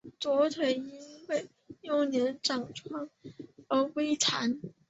左腿因为幼年长疮而微残。